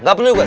gak perlu gua